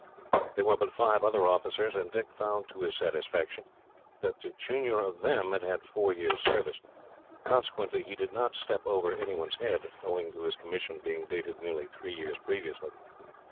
There were but five other officers, and Dick found, to his satisfaction, that the junior of them had had four years' service. Consequently, he did not step over any one's head, owing to his commission being dated nearly three years previously.